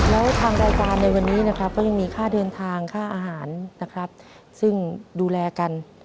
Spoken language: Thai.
แล้วทางรายการในวันนี้นะครับก็ยังมีค่าเดินทางค่าอาหารนะครับซึ่งดูแลกัน